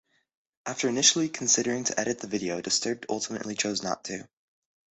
After initially considering to edit the video, Disturbed ultimately chose not to.